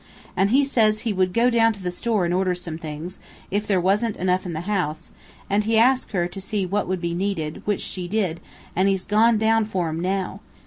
And he says he would go down to the store and order some things, if there wasn't enough in the house, and he asked her to see what would be needed, which she did, and he's gone down for 'em now.